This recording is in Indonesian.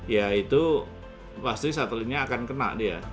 ya itu pasti satelitnya akan kena dia